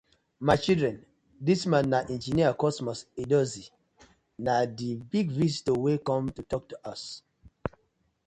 My children, dis man na Engineer Cosmas Edosie, na di big visitor wey com to tok to us.